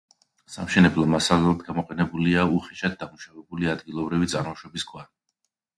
სამშენებლო მასალად გამოყენებულია უხეშად დამუშავებული, ადგილობრივი წარმოშობის ქვა.